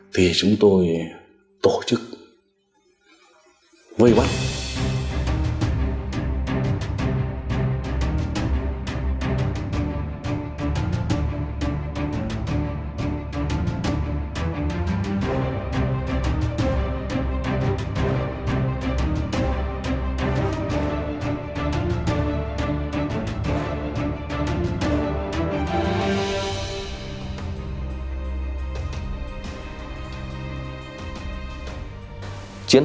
thì chúng tôi tổ chức vây vắt